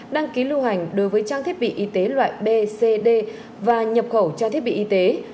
đăng ký lưu hành đối với trang thiết bị y tế loại b c d và nhập khẩu trang thiết bị y tế